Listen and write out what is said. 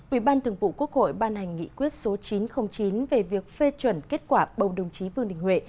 ủy ban thường vụ quốc hội ban hành nghị quyết số chín trăm linh chín về việc phê chuẩn kết quả bầu đồng chí vương đình huệ